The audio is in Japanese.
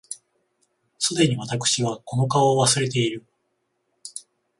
既に私はこの顔を忘れている